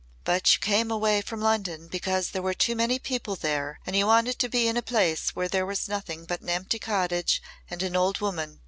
"But you came away from London because there were too many people there and you wanted to be in a place where there was nothing but an empty cottage and an old woman.